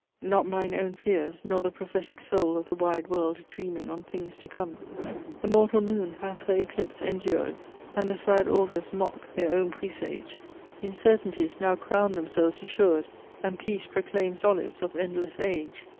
"Not mine own fears, nor the prophetic soul Of the wide world dreaming on things to come The mortal moon hath her eclipse endured, And the sad augurs mock their own presage; Incertainties now crown themselves assur'd, And Peace proclaims olives of endless age.